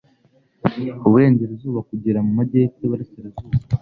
uburengerazuba kugera mu majyepfo y'uburasirazuba .